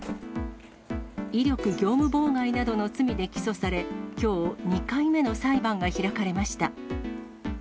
威力業務妨害などの罪で起訴され、きょう、２回目の裁判が開かれました。